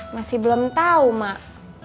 masih belum tau mak